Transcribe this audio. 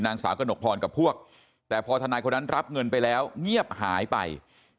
นางสาวกระหนกพรกับพวกแต่พอทนายคนนั้นรับเงินไปแล้วเงียบหายไป